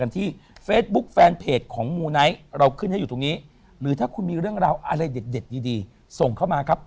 ทั้งราวอะไรเด็ดดีส่งเข้ามาครับ